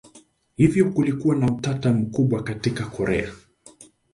Hivyo kulikuwa na utata mkubwa katika Korea.